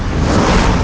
kita harus kejar dia